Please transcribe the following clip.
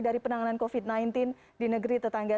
dari penanganan covid sembilan belas di negeri tetangga